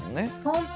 本当